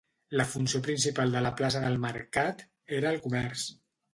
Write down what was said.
La funció principal de la plaça del mercat era el comerç.